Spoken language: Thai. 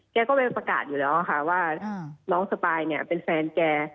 แกก็ไปประกาศอยู่แล้วค่ะว่าน้องสปายเนี่ยเป็นแฟนแก